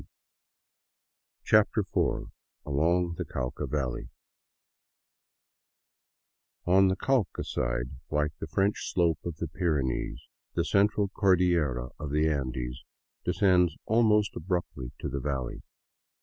02 CHAPTER IV ALONG THE CAUCA VALLEY ON the Cauca side, like the French slope of the Pyrenees, the Central Cordillera of the Andes descends almost abruptly to the valley.